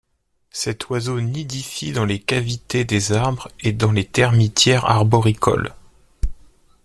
Cet oiseau nidifie dans les cavités des arbres et dans les termitières arboricoles.